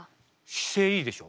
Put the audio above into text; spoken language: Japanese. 姿勢いいでしょ。